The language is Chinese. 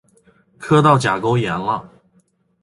磕到甲沟炎了！